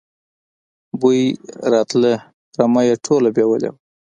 بوی راته، رمه یې ټوله بېولې وه.